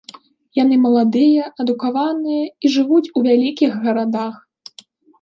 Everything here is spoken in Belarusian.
Яны маладыя, адукаваныя і жывуць у вялікіх гарадах.